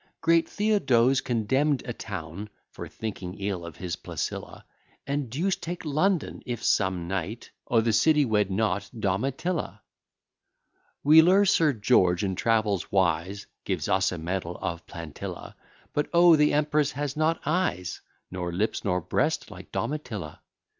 Great Theodose condemn'd a town For thinking ill of his Placilla: And deuce take London! if some knight O' th' city wed not Domitilla. Wheeler, Sir George, in travels wise, Gives us a medal of Plantilla; But O! the empress has not eyes, Nor lips, nor breast, like Domitilla.